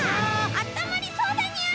「あったまりそうだニャ！」。